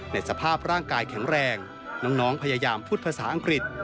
ในสภาพร่างกายแข็งแรงน้องพยายามพูดภาษาอังกฤษ